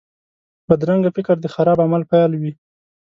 بدرنګه فکر د خراب عمل پیل وي